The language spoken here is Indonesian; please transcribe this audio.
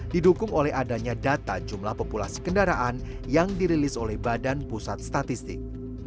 didukung oleh adanya data jumlah populasi kendaraan yang dirilis oleh badan pusat statistik